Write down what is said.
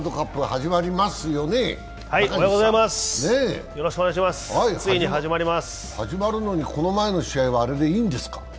始まるのにこの前の試合はこれでいいんですか？